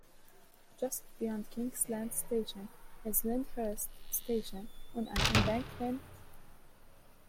Just beyond Kingsland station is Lyndhurst station, on an embankment.